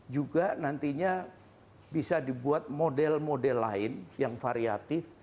juga nantinya bisa dibuat model model lain yang variatif